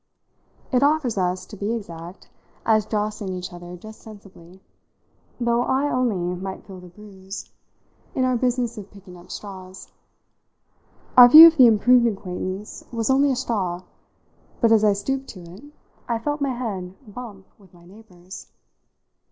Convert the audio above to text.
It offers us, to be exact, as jostling each other just sensibly though I only might feel the bruise in our business of picking up straws. Our view of the improved acquaintance was only a straw, but as I stooped to it I felt my head bump with my neighbour's.